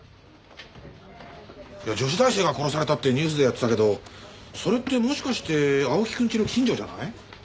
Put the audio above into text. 女子大生が殺されたってニュースでやってたけどそれってもしかして青木くん家の近所じゃない？